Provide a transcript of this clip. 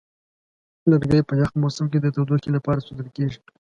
لرګی په یخ موسم کې د تودوخې لپاره سوځول کېږي.